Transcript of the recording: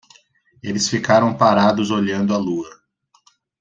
Eles ficaram parados olhando a lua.